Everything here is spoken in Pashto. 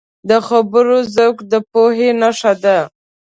د خبرو ذوق د پوهې نښه ده